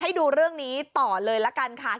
ให้ดูเรื่องนี้ต่อเลยละกันค่ะ